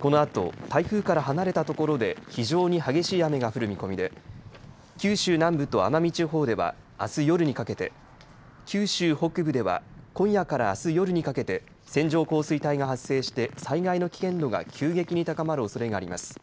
このあと台風から離れたところで非常に激しい雨が降る見込みで九州南部と奄美地方ではあす夜にかけて、九州北部では今夜からあす夜にかけて線状降水帯が発生して災害の危険度が急激に高まるおそれがあります。